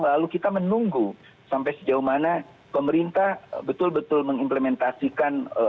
lalu kita menunggu sampai sejauh mana pemerintah betul betul mengimplementasikan